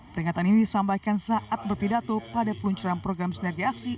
peringatan ini disampaikan saat berpidato pada peluncuran program sinergi aksi